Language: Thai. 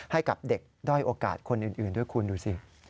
ให้กับเด็กด้อยโอกาสคนอื่นด้วยคุณดูสิ